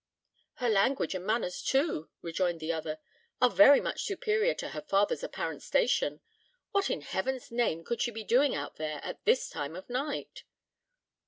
"Her language and manners, too," rejoined the other, "are very much superior to her father's apparent station. What in heaven's name could she be doing out there at this time of night?"